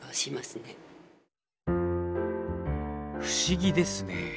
不思議ですね。